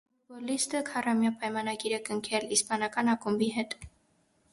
Ֆուտբոլիստը քառամյա պայմանագիր է կնքել իսպանական ակումբի հետ։